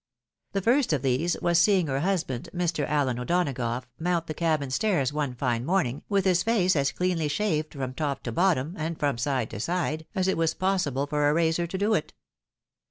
The first of these was seeing her husband, Mr. Allen O'Donagough, mount the cabin stairs one fine morning, with his face as cleanly shaved from top to bottom, and from side to side, as it was possible for a razor to do it.